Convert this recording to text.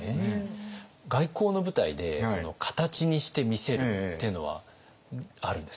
外交の舞台で形にして見せるっていうのはあるんですか？